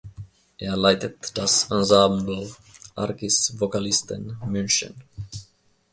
Er leitet das Ensemble "Arcis-Vocalisten" München.